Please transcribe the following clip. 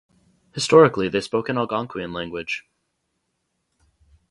Historically they spoke an Algonquian language.